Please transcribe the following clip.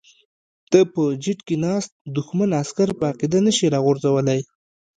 ته په جیټ کې ناست دښمن عسکر په عقیده نشې راغورځولی.